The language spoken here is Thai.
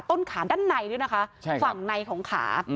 ต้นขาด้านในด้วยนะคะฝั่งในของขา